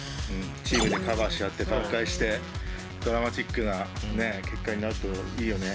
チームでカバーし合って挽回してドラマチックな結果になるといいよね。